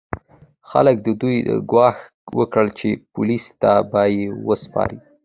خلکو د دوی ګواښ وکړ چې پولیسو ته به یې وسپاري.